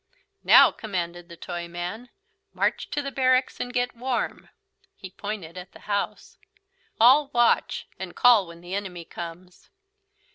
"Now," commanded the Toyman. "March to the barracks and get warm" (he pointed at the house). "I'll watch and call when the enemy comes."